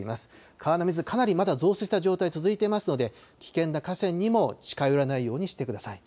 川の水、かなりまだ増水した状態が続いていますので、危険な河川にも近寄らないようにしてください。